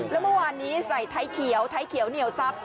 แล้วเมื่อวานนี้ใส่ไทยเขียวไทยเขียวเหนียวซับ